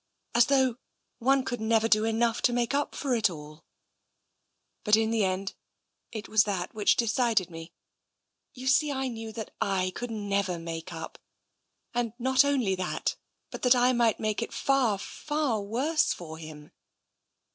As though one could never do enough to make up for it all. ... But in « i6o TENSION the end it was that which decided me. You sec, I knew that I could never make up — and not only that, but that I might make it far, far worse for him.